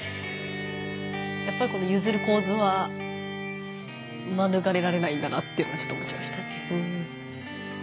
やっぱりこのゆずる構図はまぬがれられないんだなってちょっと思っちゃいましたね。